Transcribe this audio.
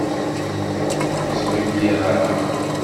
Ur t-ttḍeggir ara!